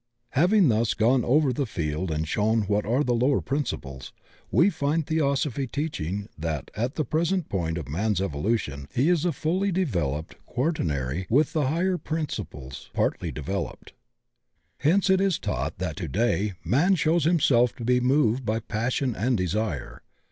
Havini; thus gone over the field and shown what are the lower principles, we find Theosophy teaching that at the present point of man's evolution he is a fully developed quaternary with the higher princi ples partly developed. Hence it is taught that to day man shows himself to be moved by passion and desire.